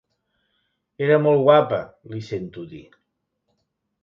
Era molt guapa —li sento dir—.